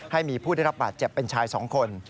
ให้มีผู้ได้รับบาดเจ็บเป็นชาย๒คน